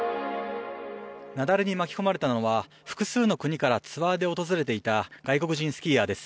雪崩に巻き込まれたのは複数の国からツアーで訪れていた外国人スキーヤーです。